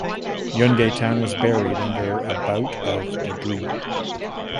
Yungay town was buried under about of debris.